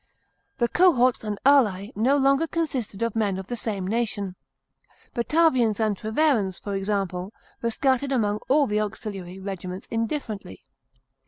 The cohorts and alse no longer consisted of men of the same nation. Batavians and Treverans, for example, were scattered among all the auxiliary regiments indifferently.